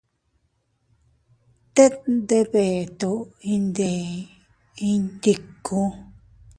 Tet ndebeto iyndeʼe inñ ndiku.